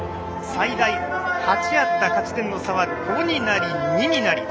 最大８あった勝ち点の差は５になり、２になり。